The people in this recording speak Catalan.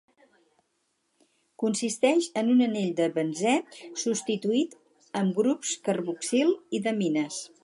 Consisteix en un anell de benzè substituït amb grups carboxil i d'amines.